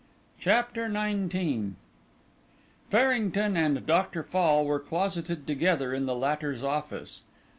CHAPTER XIX Farrington and Dr. Fall were closeted together in the latter's office.